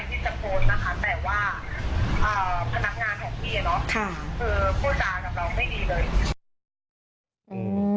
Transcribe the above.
แต่ว่าพนักงานของพี่เนอะคิดว่าผู้จากกำลังไม่ดีเลย